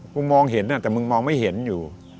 มองเห็นแต่มึงมองไม่เห็นอยู่